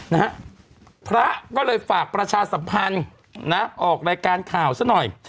นะฮะพระก็เลยฝากประชาสัมพันธ์นะออกรายการข่าวซะหน่อย